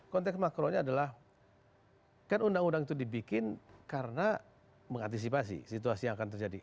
konteks makronya adalah kan undang undang itu dibikin karena mengantisipasi situasi yang akan terjadi